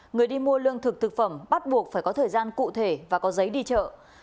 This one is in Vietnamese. người đi mua lương thực thực phẩm bắt buộc phải có thời gian cụ thể và có giấy đi chợ